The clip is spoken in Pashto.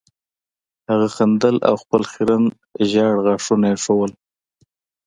هغه خندل او خپل خیرن زیړ غاښونه یې ښودل